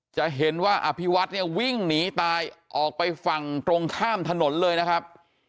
จะเห็นว่าอภิวัฒน์เนี่ยวิ่งหนีตายออกไปฝั่งตรงข้ามถนนเลยนะครับ